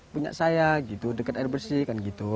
punya dekat air bersih